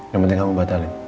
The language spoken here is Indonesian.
yang penting kamu batalin